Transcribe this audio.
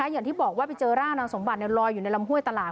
อย่างที่บอกว่าไปเจอร่างนางสมบัติลอยอยู่ในลำห้วยตลาด